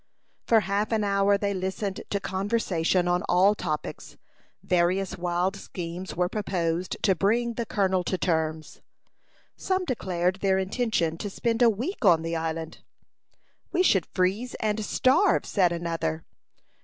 For half an hour they listened to conversation on all topics. Various wild schemes were proposed to bring the colonel to terms. Some declared their intention to spend a week on the island. "We should freeze and starve," said another.